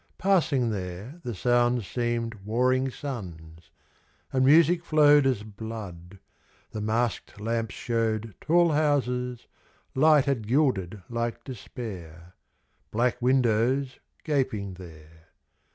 Passing there, The sounds seemed warring suns ; and music flowed As blood ; the mask'd lamps showed Tall houses, light had gilded like despair : Black windows, gaping there.